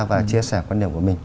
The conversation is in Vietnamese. và chia sẻ quan điểm của mình